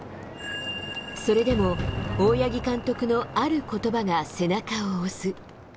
それでも、大八木監督のあることばが背中を押す。